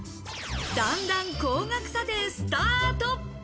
だんだん高額査定スタート！